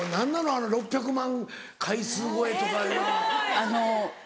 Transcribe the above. あの６００万回数超えとかいうのは。